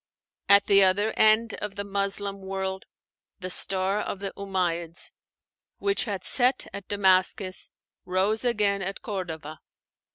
At the other end of the Muslim world, the star of the Umáyyids, which had set at Damascus, rose again at Cordova.